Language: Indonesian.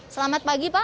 selamat pagi pak